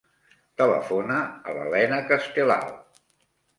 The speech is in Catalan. Telefona a l'Elena Castelao.